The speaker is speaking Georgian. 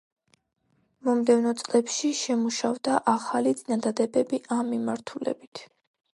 მომდევნო წლებში შემუშავდა ახალი წინადადებები ამ მიმართულებით.